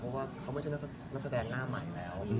เพราะว่าเขาไม่ใช่นักแสดงหน้าใหม่แล้ว